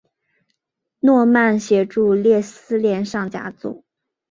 诺曼协助列斯联升上甲组。